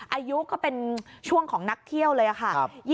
อายุก็เป็นช่วงของนักเที่ยวเลยค่ะ